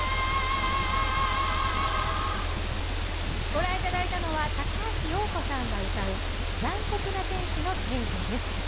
ご覧いただいたのは高橋洋子さんが歌う「残酷な天使のテーゼ」です。